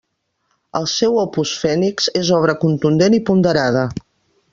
El seu Opus Phoenix és obra contundent i ponderada.